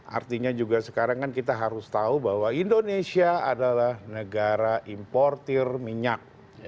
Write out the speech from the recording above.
artinya juga sekarang kan kita harus tahu bahwa indonesia adalah negara importer minyak